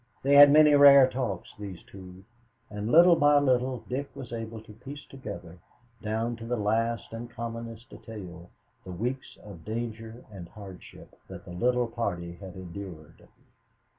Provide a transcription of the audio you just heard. They had many rare talks, these two, and little by little Dick was able to piece together, down to the last and commonest detail, the weeks of danger and hardship that the little party had endured.